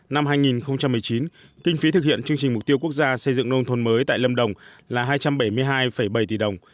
năm hai nghìn một mươi chín kinh phí thực hiện chương trình mục tiêu quốc gia xây dựng nông thôn mới tại lâm đồng là hai trăm bảy mươi hai bảy tỷ đồng